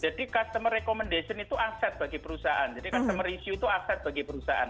jadi customer recommendation itu aset bagi perusahaan jadi customer review itu aset bagi perusahaan